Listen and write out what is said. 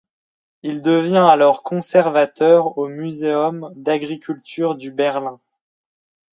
Il devient alors conservateur au muséum d’agriculture du Berlin.